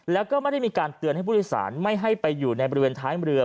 แล้วก็ไม่ได้มีการเตือนให้ผู้โดยสารไม่ให้ไปอยู่ในบริเวณท้ายเรือ